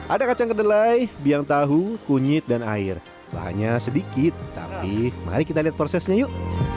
ada kacang kedelai biang tahu kunyit dan air bahannya sedikit tapi mari kita lihat prosesnya yuk